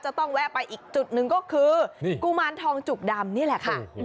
จะต้องแวะไปอีกจุดหนึ่งก็คือกุมารทองจุกดำนี่แหละค่ะ